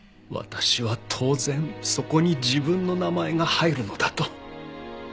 私は当然そこに自分の名前が入るのだと。